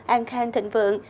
an khang thịnh vượng